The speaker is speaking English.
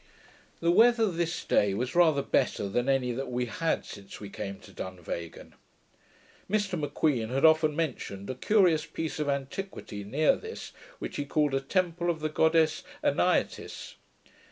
The weather this day was rather better than any that we had since we came to Dunvegan. Mr M'Queen had often mentioned a curious piece of antiquity near this which he called a temple of the goddess Anaitis.